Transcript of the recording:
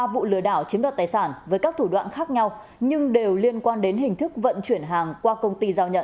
ba vụ lừa đảo chiếm đoạt tài sản với các thủ đoạn khác nhau nhưng đều liên quan đến hình thức vận chuyển hàng qua công ty giao nhận